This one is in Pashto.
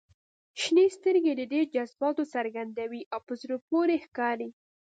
• شنې سترګې د ډېر جذباتو څرګندوي او په زړه پورې ښکاري.